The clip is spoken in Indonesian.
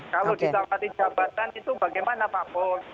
kalau ditawari jabatan itu bagaimana pak purnomo